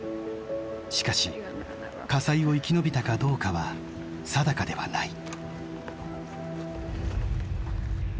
しかし火災を生き延びたかどうかは定かではない。